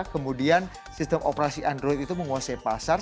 kemudian sistem operasi android itu menggunakan google